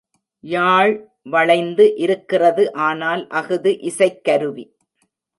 யாழ் வளைந்து இருக்கிறது ஆனால் அஃது இசைக்கருவி.